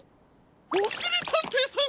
おしりたんていさん！